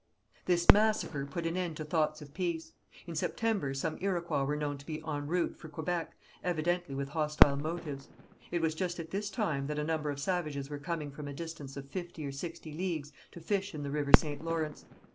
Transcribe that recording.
This massacre put an end to thoughts of peace. In September some Iroquois were known to be en route for Quebec, evidently with hostile motives. It was just at this time that a number of savages were coming from a distance of fifty or sixty leagues to fish in the river St. Lawrence.